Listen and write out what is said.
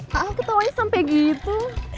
kak al ketawanya sampai gitu